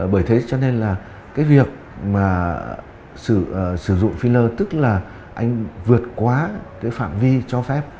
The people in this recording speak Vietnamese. bởi thế cho nên là cái việc mà sử dụng filler tức là anh vượt quá cái phạm vi cho phép